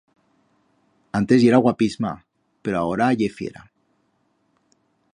Antes yera guapisma, pero aora ye fiera.